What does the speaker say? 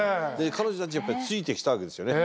彼女たちはやっぱりついてきたわけですよね